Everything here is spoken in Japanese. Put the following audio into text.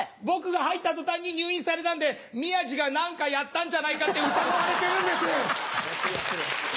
僕が入ったとたんに入院されたんで、宮治がなんかやったんじゃないかって、疑われてるんです。